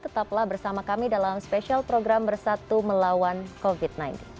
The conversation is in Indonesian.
tetaplah bersama kami dalam spesial program bersatu melawan covid sembilan belas